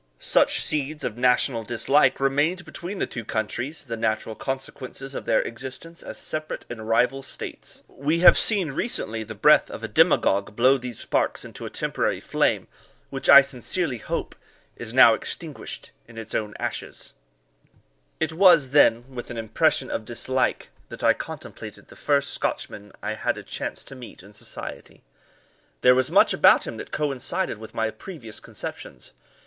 Such seeds of national dislike remained between the two countries, the natural consequences of their existence as separate and rival states. We have seen recently the breath of a demagogue blow these sparks into a temporary flame, which I sincerely hope is now extinguished in its own ashes. This seems to have been written about the time of Wilkes and Liberty. It was, then, with an impression of dislike, that I contemplated the first Scotchman I chanced to meet in society. There was much about him that coincided with my previous conceptions.